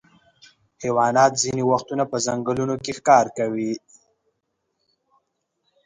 حیوانات ځینې وختونه په ځنګلونو کې ښکار کوي.